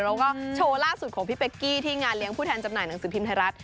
แล้วก็โชว์ล่าสุดของพี่เป๊กกี้ที่งานเลี้ยงผู้แทนจำหน่ายหนังสือพิมพ์ไทยรัฐ